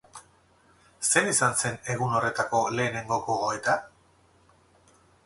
Zein izan zen egun horretako lehenengo gogoeta?